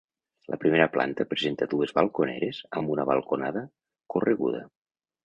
La primera planta presenta dues balconeres amb una balconada correguda.